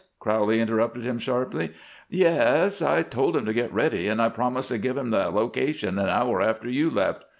Crowley interrupted him sharply. "Yes! I told him to get ready, and I promised to give him the location an hour after you left.